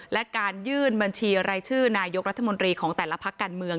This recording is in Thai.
และการยื่นบัญชีรายชื่อนายกรัฐมนตรีของแต่ละพักการเมือง